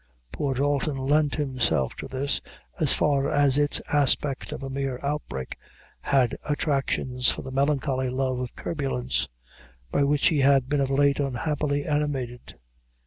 Poor Dalton lent himself to this, as far as its aspect of a mere outbreak had attractions for the melancholy love of turbulence, by which he had been of late unhappily animated.